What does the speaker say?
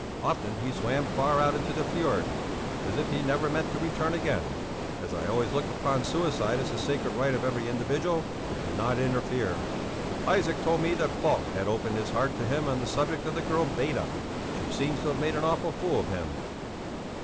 Often he swam far out into the fjörd, as if he never meant to return again. As I always looked upon suicide as the sacred right of every individual, I did not interfere. Isaac told me that Falk had opened his heart to him on the subject of the girl Beda; she seems to have made an awful fool of him.